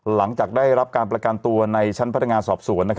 หลังจากได้รับการประกันตัวในชั้นพนักงานสอบสวน